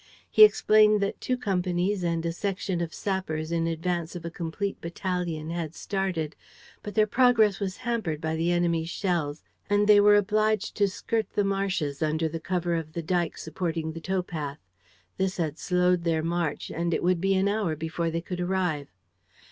He explained that two companies and a section of sappers in advance of a complete battalion had started, but their progress was hampered by the enemy's shells and they were obliged to skirt the marshes, under the cover of the dyke supporting the towpath. This had slowed their march; and it would be an hour before they could arrive.